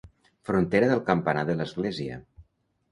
Frontera del campanar de l'església.